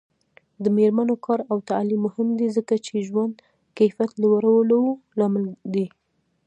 د میرمنو کار او تعلیم مهم دی ځکه چې ژوند کیفیت لوړولو لامل دی.